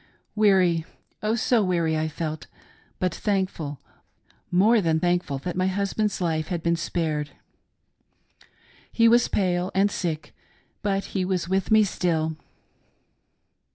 Weary, Oh, so weary I felt, but thank ful, more than thankful that my husband's life had been spared. He was pale and sick, but he was with me still.